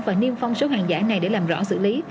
và niêm phong số hàng giả này để làm rõ xử lý